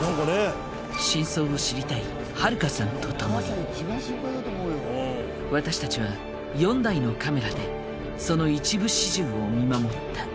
真相を知りたい春香さんと共に私たちは４台のカメラでその一部始終を見守った。